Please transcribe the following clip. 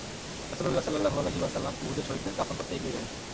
রাসূলুল্লাহ সাল্লাল্লাহু আলাইহি ওয়াসাল্লাম উহুদের শহীদদের দাফন করতে এগিয়ে গেলেন।